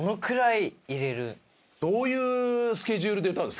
どういうスケジュールで歌うの？